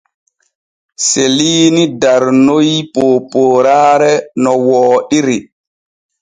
Seliini darnoy poopooraare no wooɗiri.